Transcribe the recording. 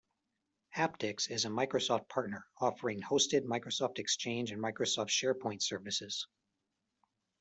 Apptix is a Microsoft partner, offering hosted Microsoft Exchange and Microsoft SharePoint services.